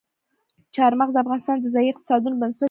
چار مغز د افغانستان د ځایي اقتصادونو بنسټ دی.